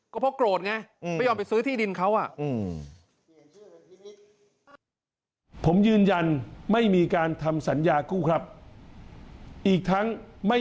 ก็เพราะโกรธไง